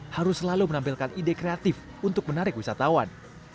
harus selalu menampilkan ide kreatif untuk menarik wisatawan